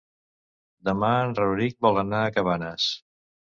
Demà en Rauric vol anar a Cabanes.